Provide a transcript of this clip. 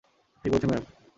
ঠিক বলেছেন, ম্যাম।